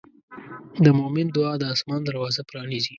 د مؤمن دعا د آسمان دروازه پرانیزي.